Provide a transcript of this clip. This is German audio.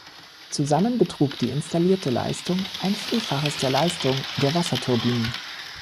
Zusammen betrug die installierte Leistung ein Vielfaches der Leistung der Wasserturbinen.